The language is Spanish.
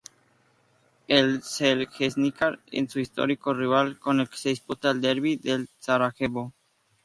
El Željezničar es su histórico rival con el que disputa el derbi de Sarajevo.